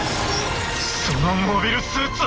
そのモビルスーツは。